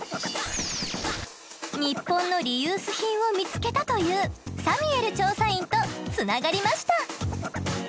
ニッポンのリユース品を見つけたというサミュエル調査員とつながりました。